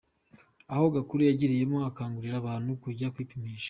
Aha Gakuru yarimo akangurira abantu kujya kwipimisha.